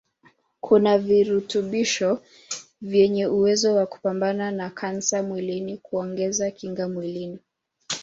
kuna virutubisho vyenye uwezo wa kupambana na kansa mwilini kuongeza kinga mwilini